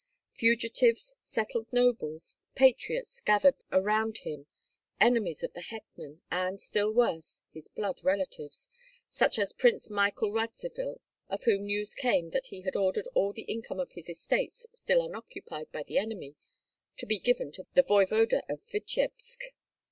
Fugitives, settled nobles, patriots gathered around him, enemies of the hetman, and still worse, his blood relatives, such as Prince Michael Radzivill, of whom news came that he had ordered all the income of his estates still unoccupied by the enemy to be given to the voevoda of Vityebsk.